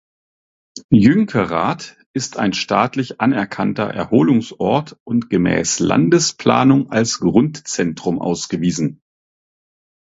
Jünkerath ist ein staatlich anerkannter Erholungsort und gemäß Landesplanung als Grundzentrum ausgewiesen.